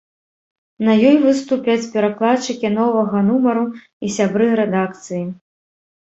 На ёй выступяць перакладчыкі новага нумару і сябры рэдакцыі.